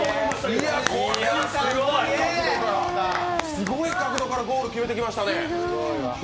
すごい角度からゴール決めてきましたね。